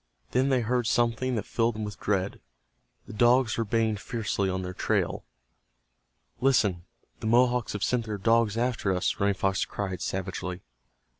Then they heard something that filled them with dread. The dogs were baying fiercely on their trail. "Listen, the Mohawks have sent their dogs after us," Running Fox cried, savagely.